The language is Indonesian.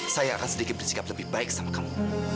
saya akan sedikit bersikap lebih baik sama kamu